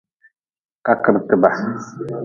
Kakretba.